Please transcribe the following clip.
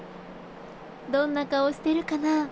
どんな顔してるかな？